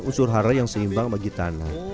unsur hara yang seimbang bagi tanah